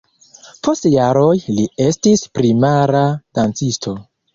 Post jaroj li estis primara dancisto.